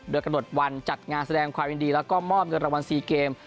โดยกระหนดวันจัดงานแสดงความยินดีและม่อมกันรางวัล๔เกม